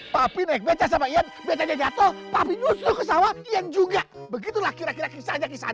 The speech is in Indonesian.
tapi nek beca sama iya beca jatuh tapi justru ke sawah yang juga begitulah kira kira kisah kisah